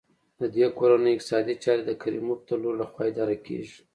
د دې کورنۍ اقتصادي چارې د کریموف د لور لخوا اداره کېږي.